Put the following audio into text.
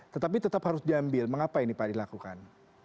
tetapi tetap harus diambil mengapa ini pak dilakukan